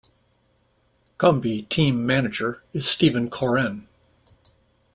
Comby Team manager is Steven Corren.